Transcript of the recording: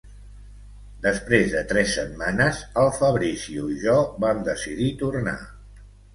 Després de tres setmanes, el Fabrizio i jo vam decidir tornar.